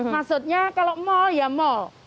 maksudnya kalau mal ya mal